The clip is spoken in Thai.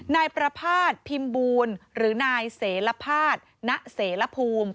นายประภาษณ์พิมพ์บูลหรือนายเสรภาษณ์ณเสรภูมิ